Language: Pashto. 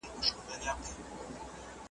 هغوی ډېرې سيمې تر خپل اشغال لاندې راوستې.